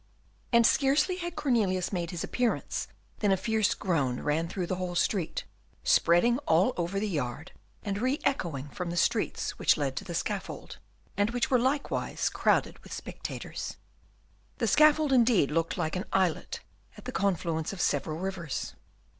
And scarcely had Cornelius made his appearance than a fierce groan ran through the whole street, spreading all over the yard, and re echoing from the streets which led to the scaffold, and which were likewise crowded with spectators. The scaffold indeed looked like an islet at the confluence of several rivers.